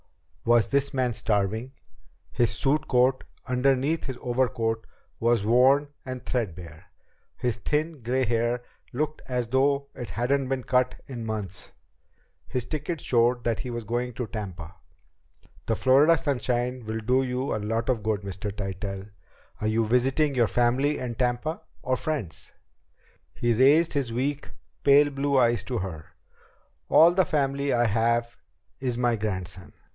Was this man starving? His suit coat, underneath his overcoat, was worn and threadbare. His thin, gray hair looked as though it hadn't been cut in months. His ticket showed that he was going to Tampa. "The Florida sunshine will do you a lot of good, Mr. Tytell. Are you visiting your family in Tampa, or friends?" He raised his weak, pale blue eyes to hers. "All the family I have is my grandson.